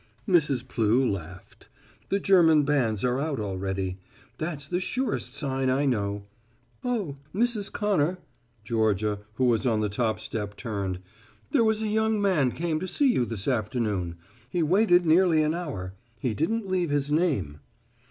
Mrs. Plew laughed. "The German bands are out already. That's the surest sign I know. Oh, Mrs. Connor," Georgia, who was on the top step turned, "there was a young man came to see you this afternoon. He waited nearly an hour. He didn't leave his name."